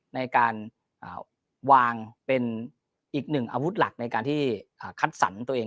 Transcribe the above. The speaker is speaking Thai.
ในการวางเป็นอีกหนึ่งอาวุธหลักในการที่คัดสรรตัวเอง